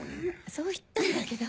そう言ったんだけど。